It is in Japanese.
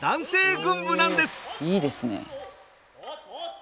おいいですね。